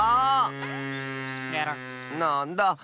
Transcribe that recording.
なんだあ。